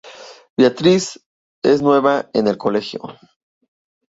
Beatriz es nueva en el colegio.